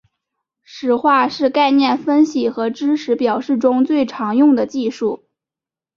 实化是概念分析与知识表示中最常用的技术。